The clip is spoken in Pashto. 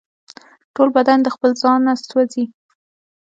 ټول بدن یې د خپل ځانه سوزي